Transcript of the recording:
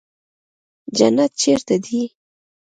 جنت چېرته دى.